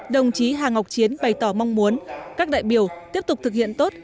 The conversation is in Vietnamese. đồng chí hà ngọc chiến bày tỏ mong muốn các đại biểu tiếp tục thực hiện tốt